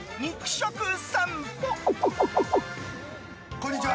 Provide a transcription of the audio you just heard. こんにちは。